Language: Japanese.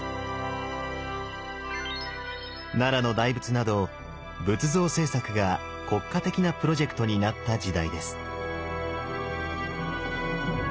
奈良の大仏など仏像制作が国家的なプロジェクトになった時代です。